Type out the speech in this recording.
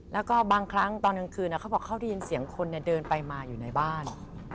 แล้วก็บางครั้งตอนกลางคืนเขาบอกเขาได้ยินเสียงคนเดินไปมาอยู่ในบ้าน